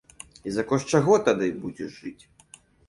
І за кошт чаго тады будзеш жыць?